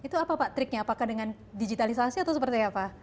itu apa pak triknya apakah dengan digitalisasi atau seperti apa